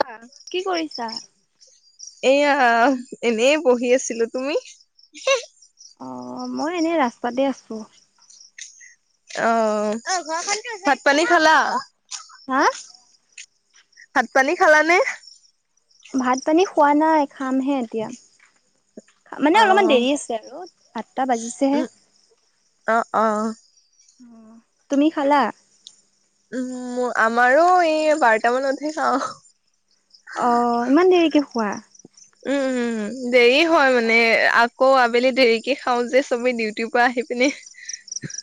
[unintelligible] কি কৰিছা? এয়া এনে বহি আছিলো। তুমি? অ', মই এনেই ৰাস্তাতে আছো। অ', ভাত-পানী খালা? হা। ভাত পানী খালানে? ভাত পানী খোৱা নাই খামহে। এতিয়া, মানে অ অলপমান দেৰি আছে আৰু আঠটা বাজিছেহে। অঁ অ। তুমি খালা? উম আমাৰো এই বাৰটা মানতহে খাওঁ। অ, ইমান দেৰিকে খোৱা? উম উম, দেৰি হয় মানে। আ কৌ আবেলি দেৰিকে খাওঁ যে চবে ডিউটিৰ পৰা আহি পিনে।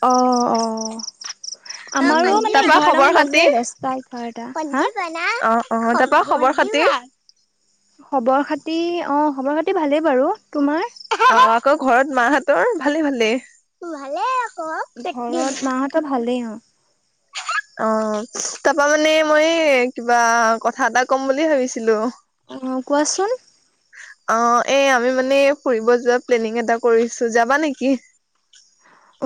অঁ অঁ। আমাৰো মানে তাৰপা এঘাৰটা খবৰ মান বাজে, দশটা এঘাৰটা, হা অঁ অঁ, তাৰাপা খবৰ খাতি? খবৰ খাতি অঁ খবৰ খাতি ভালেই বাৰু তোমাৰ? অঁ আকৌ ঘৰত মাহঁতৰ ভালে ভালেই ভালই ঘৰত মাহঁতৰ ভালেই অঁ। অঁ, তাৰাপা মানে মই কিবা কথা এটা কম বুলি ভাবিছিলো। অঁ কোৱাচোন। অঁ এই আমি মানে ফুৰিব যোৱা প্লেনিং এটা কৰিছো যাবা নেকি?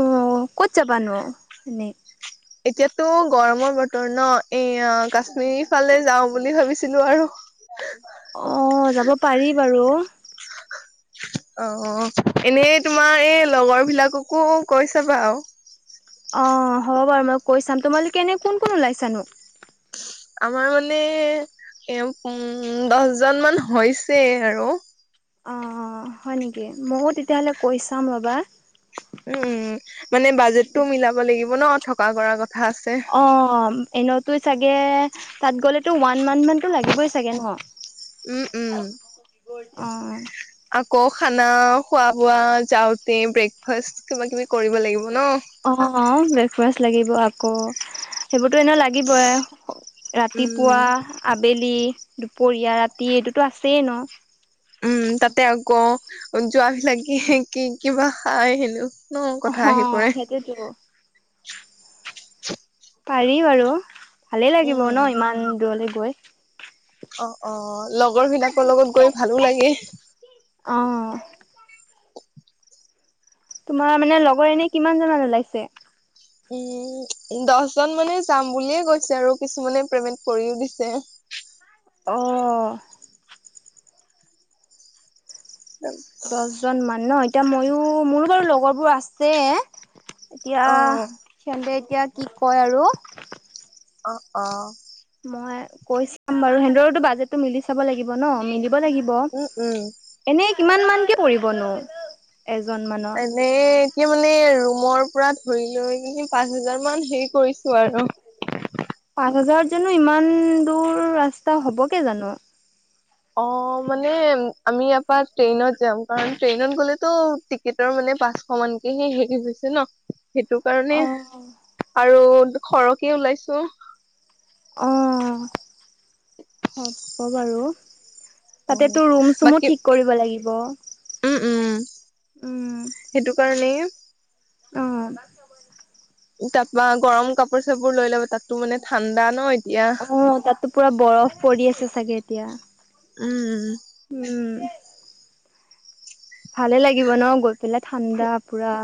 অঁ, ক'ত যাবানো এনেই? এতিয়াতো গৰমৰ বতৰ ন, এয়া কাশ্মীৰ ফালে যাওঁ বুলি ভাবিছিলো আৰু। অঁ যাব পাৰি বাৰু। অঁ, এনেই তোমাৰ এই লগৰ বিলাককো কৈছাবা আও। অঁ হ'ব বাৰু মই কৈ চাম, তোমালোকে এনেই কোন কোন ওলাইছানো? আমাৰ মানে এ উম দশজন মান হৈছে আৰু। অঁ, হয় নেকি ময়ো তেতিয়াহ'লে কৈ চাম ৰ'বা। উম, মানে বাজেটটো মিলাব লাগিব ন থকা কৰাৰ কথা আছে। অঁ এনেইতো চাগে তাত গ'লেতো ওৱান মান্থ মানতো লাগিবই চাগে ন'? উম উম। অ আকৌ খানা খোৱা বোৱা যাওঁতে ব্ৰেকফাষ্ট কিবা কিবি কৰিব লাগিব ন'। অঁ ব্ৰেকফাষ্ট লাগিব আকৌ, সেইবোৰতো এনে লা গিবই উম ৰাতিপুৱা, আবেলি, দুপৰীয়া, ৰাতি এইটোতো আছেই ন'। উম, তাতে আকৌ যোৱাবিলাকে কি কি কিবা খাই হেনো। ন কথা আহি অঁ পৰে সেইটোৱেতো। পাৰি বাৰু, ভালে লাগিব উম ন' ইমান দূৰলে গৈ। অ অঁ, লগৰ বিলাকৰ লগত গৈ ভালো লাগে। অঁহ। তোমাৰ মানে এনেই কিমান জনমান ওলাইছে? উম, দশজন মানে যাম বুলিয়ে গৈছে আৰু কিছুমানে পেমেন্ট কৰিও দিছে। অ। [inaudible] দশজনমান ন, এতিয়া ময়ো মোৰো বাৰু লগৰবোৰ আছে। এতিয়া অ সিহঁতে এতিয়া কি কয় আৰু? অ', অ'। মই কৈ চাম বাৰু, সেহঁতৰটো বাজেটটো মিলি চাব লাগিব ন, মিলিব লাগি ব, উম উম এনে কিমান মানকে পৰিবনো, এজন মানৰ? এই এতিয়া মানে ৰুমৰ পৰা ধৰি লৈ কিনে পাঁচ হাজাৰ মান হেৰি কৰিছো আৰু। পাঁচ হাজাৰত জানো ইমান দূৰ ৰাস্তা হ'ব গে জানো? অ', মানে আমি ইয়াৰ পৰা ট্ৰেইনত যাম, কাৰণ ট্ৰেইনত গ'লেতো টিক কেটৰ মানে পাঁচশ মানকেহে হেৰি হৈছে ন, সেইটো। কাৰণে অ আৰু সৰহকে ওলাইছো। অ', হ'ব বাৰু। অ তাতে তোৰ ৰুম চুমো বাকী ঠিক কৰিব লাগিব, উম উম উম। সেইটো কাৰণেই অ'। তাৰপা গৰম কাপোৰ চাপোৰ লৈ ল'ব, তাতটো মানে ঠাণ্ডা ন এতিয়া। অ', তাতটো পুৰা বৰফ পৰি আছে চাগে এতিয়া। উম, উম। উম ভালে লাগিব ন গৈ পেলাই ঠাণ্ডা পোৰা।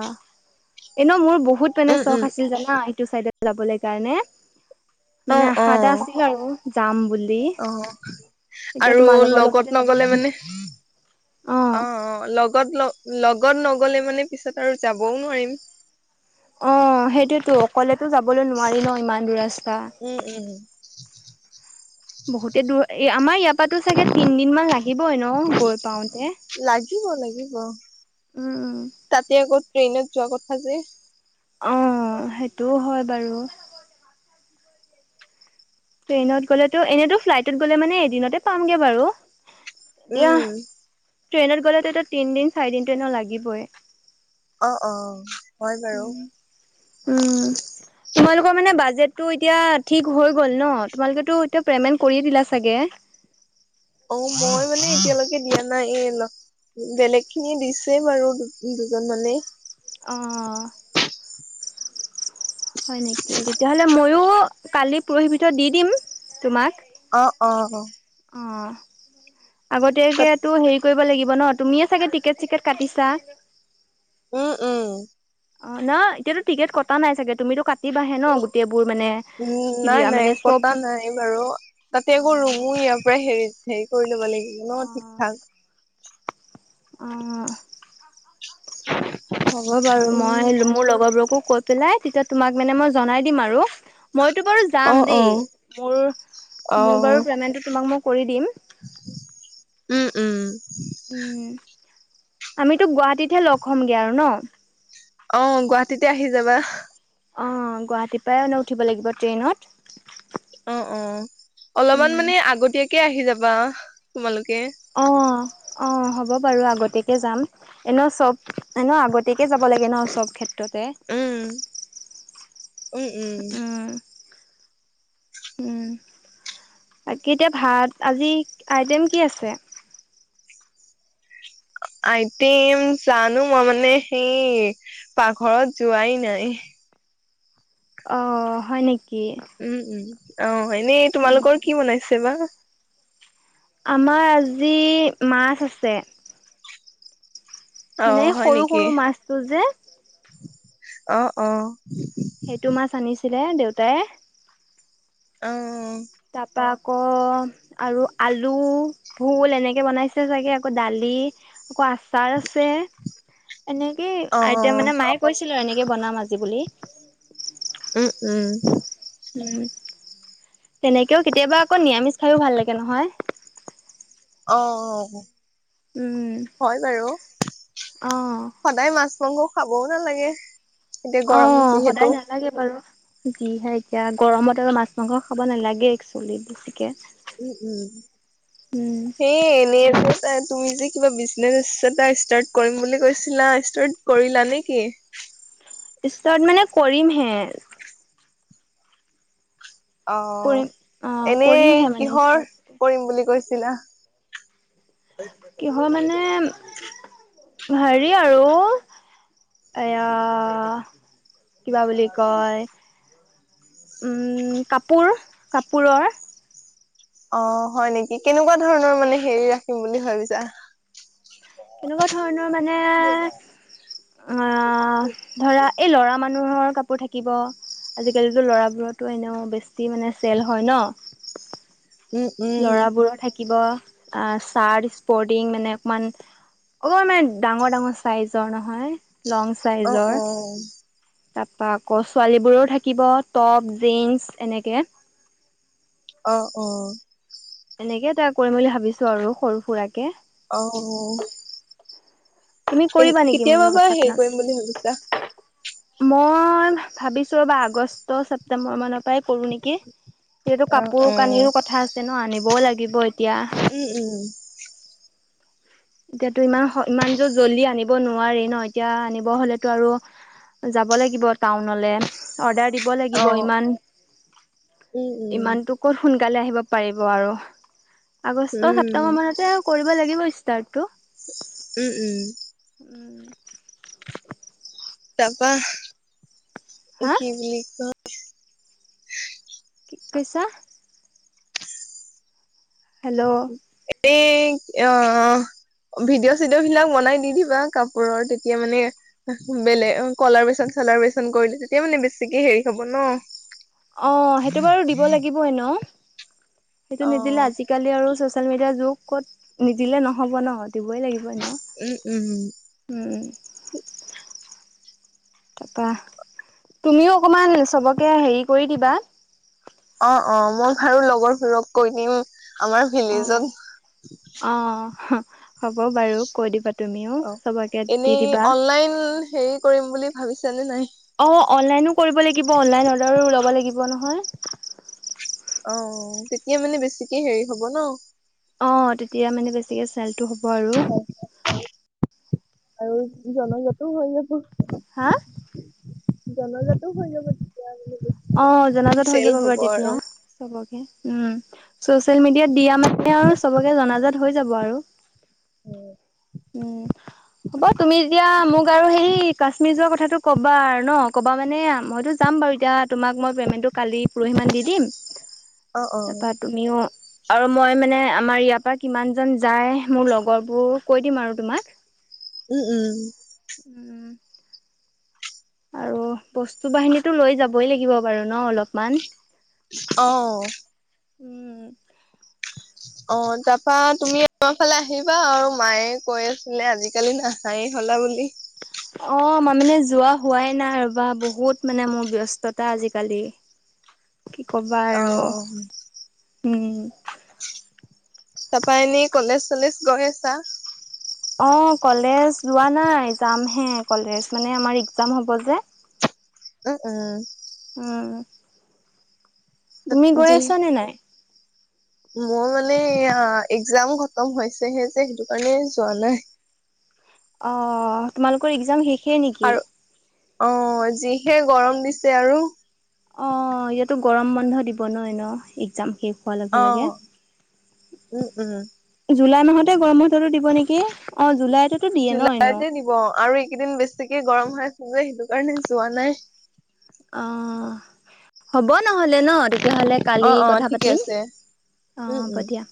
এনেও মোৰ বহুত মানে উম উম চখ আছিল জানা, এইটো চাইদট যাবলে কাৰণে। অ মানে অ আশা এটা আছিল আৰু যাম বুলি। অ এতিয়া আৰু তোমালোকৰ লগতে লগত যাব নগ'লে পাৰিম মানে অ', অ' লগ গত ল-লগত নগ'লে মানে পিছত আৰু যাবও নোৱাৰিম। অ', সেইটোৱেটো, অকলেতো যাবলৈ নোৱাৰি ন ইমান দূৰ ৰাস্তা। উম, উম। বহুতে দূৰ, এই আমাৰ ইয়াৰ পৰাতো চাগে তিনদিনমান লাগিবই ন গৈ পাওঁতে? লাগিব, লাগিব, উম উম তাতে আকৌ ট্ৰেইনত যোৱা কথা যে। অ', সেইটোও হয় বাৰু। ট্ৰেইনত গ'লেতো এনেতো ফ্লাইটত গ'লে মানে এদিনতে পামগে বাৰু, উম, [unintelligible] ট্ৰেইনত গ'লেটো এতিয়া তিনদিন চাৰিদিনটো এনেও লাগিবই। অ', অ'। হয় বাৰু। উম, উম। তোমালোকৰ মানে বাজেটটো এতিয়া ঠিক হৈ গ'ল ন, তোমালোকেতো এতিয়া পে'মেণ্ট কৰিয়ে দিলা চাগে? অ', মই মানে এতিয়ালৈকে দিয়া নাই, এই ল বেলেগ খিনিয়ে দিছোঁৱে বাৰু দু- দুজন মানে। অ'। হয় নেকি, তেতিয়াহ'লে ময়ো কালি পৰহিৰ ভিতৰত দি দিম তোমাক। অ', অ'। অ', তাত আগতীয়াকেতো হেৰি কৰিব লাগিব ন তুমিয়ে চাগে টিকেট চিকেট কাটিছা? উম, উম। অ', ন এতিয়াতো টিকেট কটা নাই চাগে, তুমিটো কাটিবাহে ন গোটেইবোৰ মানে উম, নাই, ক্লিয়াৰ নাই মানে চব কটা নাই বাৰু। তাতে আকৌ অ', ৰুমো ইয়াৰ পৰা হেৰি, হেৰি কৰি ল'ব লাগিব ন ঠিক অ', ঠাক। অ'। [inaudible] হ'ব বাৰু উম, মই মোৰ লগৰবোৰকো কৈ পেলাই তেতিয়া তোমাক মানে মই জনাই দিম আৰু মইটো বাৰু যাম অ', অ'। দেই। মোৰ মোৰ অ', বাৰু পেমেণ্টো তোমাক মই কৰি দিম। উম, উম। উম। আমিটো গুৱাহাটীতহে লগ হ'মগে আৰু ন। অ', গুৱাহাটীতে আহি যাবা। অ', গুৱাহাটীৰ পৰাই এনেও উঠিব লাগিব ট্ৰেইনত। অ', অ', অলপমান উম মানে আগতীয়াকে আহি যাবা তোমালোকে। অ', অ', হ'ব বাৰু আগতীয়াকে যাম। এনে চব এনেও আগতীয়াকে যাব লাগে ন চব ক্ষেত্ৰতে। উম, উম-উম। উম। উম। বাকী এতিয়া ভাত আজি আইটেম কি আছে? আইটেম জানো মই মানে সেই পাকঘৰত যোৱাই নাই। অ', হয় নেকি? উম-উম। এনেই উম তোমালোকৰ কি বনাইছে বা? আমাৰ আজি মাছ আছে। অ মানে হয় নেকি? সৰু-সৰু মাছটো যে? অ', অ', সেইটো মাছ আনিছিলে দেউতাই। অ', তাৰপৰা আকৌ আৰু আলু, ভোল এনেকে বনাইছে চাগে? আকৌ দালি, আকৌ আচাৰ ছাৰ আছে। এনেকেই অ আইটেম মানে, মায়ে কৈছিলে আৰু এনেকে বনাম আজি বুলি। উম-উম। তেনেকেও কেতিয়াবা, আকৌ নিৰামিষ খায়ো ভাল লাগে নহয়। অ', উম হয় বাৰু। অ সদায় মাছ-মাংস খাবও নালাগে। এতিয়া গৰম অ', যিহেতু। সদায় নালাগে বাৰু। যিহে এতিয়া গৰমত আৰু মাছ-মাংস খাব নালাগে একচোৱেলি বেছিকে। উম-উম। উম সেই এনেই যে যে তুমি যে কিবা বিজনেছ এটা ষ্টাৰ্ট কৰিম বুলি কৈছিলা। ষ্টাৰ্ট কৰিলা নে কি? ষ্টাৰ্ট মানে কৰিমহে। অ', কৰিম অ এনেই কৰিমহে মানে কিহৰ ষ্টাৰ্ট কৰিম বুলি কৈছিলা? কিহৰ মানে হেৰি আৰু এয়া, কিবা বুলি কয়। উম, কাপোৰ, কাপোৰৰ। অ', হয় নেকি? কেনেকুৱা ধৰণৰ মানে হেৰি ৰাখিম বুলি ভাবিছা। কেনেকুৱা ধৰণৰ মানে, আ ধৰা, এই ল'ৰা মানুহৰ কাপোৰ থাকিব। আজি কালিটো ল'ৰাবোৰতো এনেও বেছি মানে চেল হয় ন। উম উম উম। ল'ৰাবোৰৰ থাকিব। চাৰ্ট স্পৰ্টিং মানে অকণমান অকণমান মানে ডাঙৰ ডাঙৰ চাইজৰ নহয়। লং অ অ চাইজৰ। তাৰপৰা আকৌ ছোৱালীবোৰৰ থাকিব টপ, জিন্স এনেকে। অ', অ', এনেকে এটা কৰিম বুলি ভাবিছো আৰু সৰু সুৰাকে। অ', তুমি এই কৰিবা নেকি মোৰ লগত কেতিয়াবাপা হেৰি কৰিম পাৰ্টনাৰশ্বিপ বুলি ভাবিছা? মই ভাবিছো ৰ'বা আগষ্ট, ছেপটেম্বৰ মান পাই কৰো নেকি এইটো অ কাপোৰ অ কানিৰো কথা আছে ন' আনিবও লাগিব এতিয়া। উম, উম, উম, উম। এতিয়াতো ইমান সহ ইমান টো জল্দি আনিব নোৱাৰি ন, এতিয়া আনিব হ'লেতো আৰু যাব লাগিব টাউনলে অৰ্ডাৰ দি দিব লাগিব অ ইমান, উম উম। ইমানটো ক'ত সোনকালে আহিব পাৰিব আৰু উম আগষ্ট, ছেপ্টেম্বৰ মানতে কৰিব লাগিব ইচ তাৰটো। উম, উম। উম, তাপা, এ হা কি বুলি কয় কি কৈছা? হেল্ল' এই অ' অ'। ভিডিঅ'-চিডিঅ' বিলাক বনাই দি দিবা কাপোৰৰ তেতিয়া মানে বেলে অ' কলাব্ৰেচন- চলাব্ৰচন কৰিলে তেতিয়া মানে বেছিকে হেৰি হ'ব ন'। অ' সেইটো বাৰু দিব লাগিব এনেও সেইটো অ নিদিলে আজি কালি আৰু ছ'চিয়েল মিডিয়াৰ যুগ ক'ত নিদিলে নহ'ব ন' দিবই লাগিব। ব এনেও উম উম। উম। তাপা তুমিও অকণমান চবকে হেৰি কৰি দিবা। অ'অ' মই ভাৰু লগৰ [unintelligible] কৈ দিম আমাৰ ভিলেজত অহ' হ'ব বাৰু। কৈ দিবা তুমিওঁ অ'এনেই অনলাইন হেৰি কৰিম বুলি ভাবিছা নে নাই? অ' অনলাইনো কৰিব লাগিব অনলাইন অৰ্ডাৰো ওলাব লাগিব নহয়। অ'তেতিয়া মানে বেছিকে হেৰি হ'ব ন'। অ'তেতিয়া মানে বেছিকে চেলটো হ'ব আৰু। আৰু জনজাতো হৈ যাবো। হা? জনজাাতো হৈ যাব তেতিয়া আৰু নে কি অ' মানে জনাজাত হৈ চেল যাব হ'ব বাৰু তেতিয়া চবকে উম, চচিয়েল মিডিয়াত দিয়া মানে আৰু চবকে জনাজাত হৈ যাব আৰু। উম, উম, হ'ব তুমি যেতিয়া মোক আৰু হেৰী কাশ্মীৰ যোৱা কথাটো কবা আৰু ন, ক'বা মানে মইতো যাম বাৰু এতিয়া তোমাক মই পেমেণ্টটো কালি পৰহিমান দি দিম অ অ তাপা তুমিও আৰু মই মানে আমাৰ ইয়াৰ পা কিমান জন যায় মোৰ লগৰবোৰ কৈ দিম আৰু তোমাক। [inaudible] উম, উম। উম, আৰু বস্তু বাহিনীটো লৈ যাবই লাগিব বাৰু ন' অলপমান? অ', উম অ' তাৰ পা তুমি আমাৰফালে আহিবা আৰু মায়ে কৈ আছিলে আজিকালি না হায়ে হলা বুলি। অ ম মানে যোৱা হোৱাই নাই ৰ'বা বহুত মানে মোৰ ব্যস্ততা আজিকালি। কি ক'বা অ আৰু উম। তাৰাপা এনে কলেজ চলেজ গৈ আছা? অ কলেজ যোৱা নাই যামহে কলেজ মানে আমাৰ এক্জাম হব যে। [inaudible] ও, ও। উ। [unintelligible] পুজি। আছা নে [inaudible] মোৰ মানে এয়া, একজাম খতম হৈছেহে যে, সেইটো কাৰণে যোৱা নাই। অ', তোমালোকৰ একজাম শেষ আৰু। অ', যিহে গৰম দিছে আৰু। অ', ইয়াতো গৰম বন্ধ দিব ন এনেও, একজাম শেষ হোৱা লগে, অ লগে। উম উম জুলাই মাহতে গৰম বন্ধটো দিব নেকি! অ', জুলাইতে জুলাইতে দিব, আৰু এইকেইদিন বেছিকে গৰম হৈ আছে যে, সেইটো কাৰণে যোৱা নাই। অ', হ'ব নহ'লে ন, তেতিয়াহলে? অ কালি অ কথা ঠিকে পাতিম। আছে অ', উম হ'ব উম দিয়া।